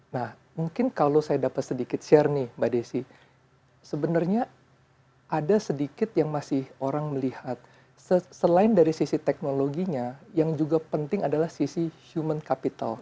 nah mungkin kalau saya dapat sedikit share nih mbak desi sebenarnya ada sedikit yang masih orang melihat selain dari sisi teknologinya yang juga penting adalah sisi human capital